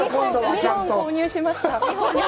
２本購入しました。